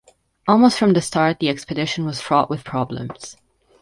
Almost from the start, the expedition was fraught with problems.